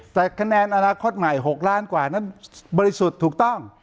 แต่คะแนนอนาคตใหม่๖ล้านกว่านั้นบริสุทธิ์ถูกต้อง